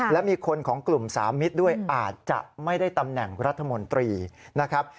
และมีคนของกลุ่มสามมิตรด้วยอาจจะไม่ได้ตำแหน่งรัฐมนตรีนะครับ